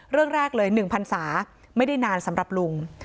เรื่องแรกเลย๑พันศาไม่ได้นานสำหรับลุง